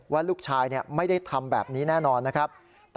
ว่าลูกชายไม่ได้ทำแบบนี้แน่นอนนะครับ